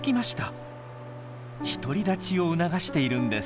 独り立ちを促しているんです。